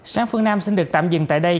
sáng phương nam xin được tạm dừng tại đây